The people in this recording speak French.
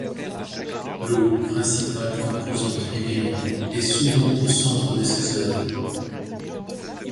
L'eau, principale composante du vivant, est souvent au centre de ses œuvres.